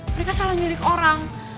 mereka salah nyulik orang